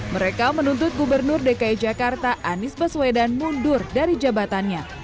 mereka menuntut gubernur dki jakarta anies baswedan mundur dari jabatannya